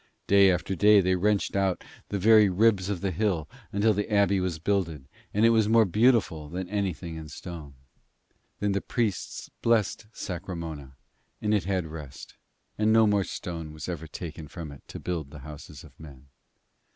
Day after day they wrenched out the very ribs of the hill until the Abbey was builded, and it was more beautiful than anything in stone. Then the priests blessed Sacremona, and it had rest, and no more stone was ever taken from it to build the houses of men.